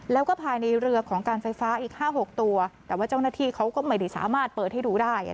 แล้วก็ภายในเรือของการไฟฟ้าอีก๕๖ตัวแต่ว่าเจ้าหน้าที่เขาก็ไม่ได้สามารถเปิดให้ดูได้